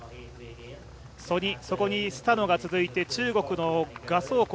そこにスタノが続いて、中国の賀相紅